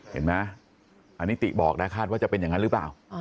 เห็นไหมอันนี้ติบอกนะคาดว่าจะเป็นอย่างนั้นหรือเปล่า